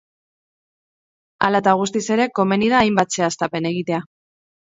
Hala eta guztiz ere, komeni da hainbat zehaztapen egitea.